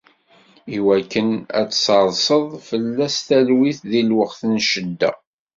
Iwakken ad d-tserseḍ fell-as talwit di lweqt n ccedda.